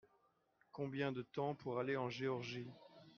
Combien de temps pour aller en Georgie ?